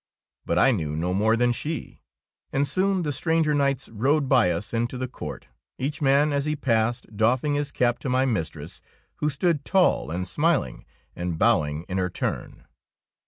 But I knew.no more than she, and soon the stranger knights rode by us into the court, each man as he passed doffing his cap to my mistress, who stood tall and smiling, and bowing in her turn.